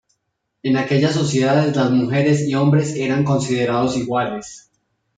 En aquellas sociedades las mujeres y hombres eran considerados iguales.